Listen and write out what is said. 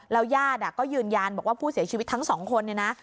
แล้วยาดก็ยืนยานบอกว่าผู้เสียชีวิตทั้งสองคน